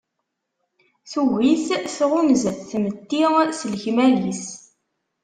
Tugi-t, tɣunza-t tmetti s lekmal-is.